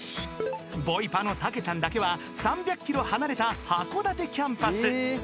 ［ボイパのたけちゃんだけは３００ｋｍ離れた函館キャンパス］